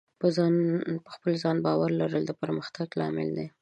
په خپل ځان باور لرل د پرمختګ لامل دی.